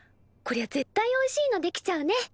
こりゃ絶対おいしいの出来ちゃうね。